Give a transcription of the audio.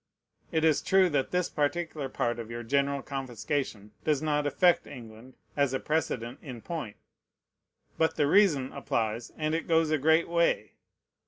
It is true that this particular part of your general confiscation does not affect England, as a precedent in point; but the reason applies, and it goes a great way.